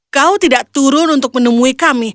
kau tidak turun untuk menemui kami